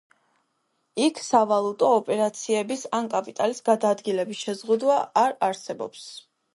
იქ სავალუტო ოპერაციების ან კაპიტალის გადაადგილების შეზღუდვა არ არსებობს.